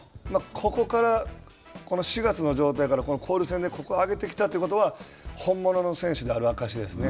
ここから、この４月の状態から交流戦で上げてきたということは、本物の選手である証しですね。